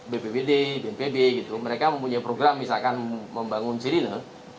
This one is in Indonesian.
bppd bnpb mereka mempunyai program misalkan membangun sirine